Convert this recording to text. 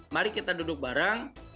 mari kita duduk bareng